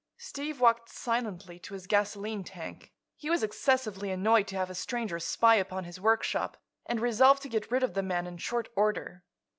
Steve walked silently to his gasoline tank. He was excessively annoyed to have a stranger spy upon his workshop and resolved to get rid of the man in short order.